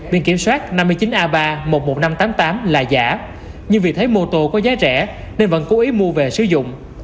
biển kiểm soát năm mươi chín a ba một mươi một nghìn năm trăm tám mươi tám là giả nhưng vì thấy mô tô có giá rẻ nên vẫn cố ý mua về sử dụng